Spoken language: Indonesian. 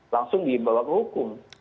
langsung dibawa ke hukum